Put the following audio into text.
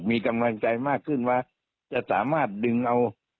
มีกำลังใจมากขึ้นว่าจะสามารถดึงเอา